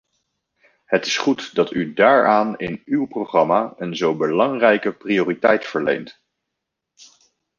Het is goed dat u daaraan in uw programma een zo belangrijke prioriteit verleent.